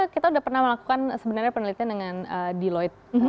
kita sudah pernah melakukan penelitian dengan deloitte